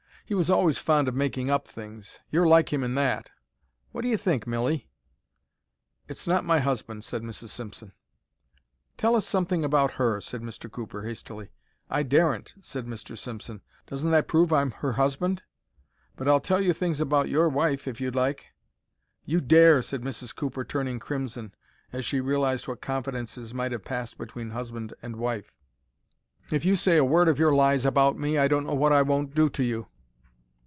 "He was always fond of making up things. You're like him in that. What do you think, Milly?" "It's not my husband," said Mrs. Simpson. "Tell us something about her," said Mr. Cooper, hastily. "I daren't," said Mr. Simpson. "Doesn't that prove I'm her husband? But I'll tell you things about your wife, if you like." "You dare!" said Mrs. Cooper, turning crimson, as she realized what confidences might have passed between husband and wife. "If you say a word of your lies about me, I don't know what I won't do to you."